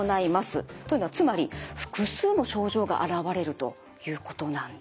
というのはつまり複数の症状があらわれるということなんです。